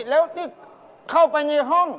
แล้วนี่เข้าไปในห้อง